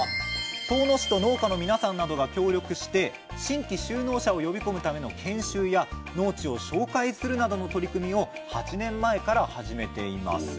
遠野市と農家の皆さんなどが協力して新規就農者を呼び込むための研修や農地を紹介するなどの取り組みを８年前から始めています。